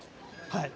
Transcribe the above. はい。